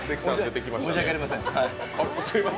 申し訳ありません。